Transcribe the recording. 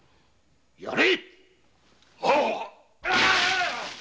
やれ‼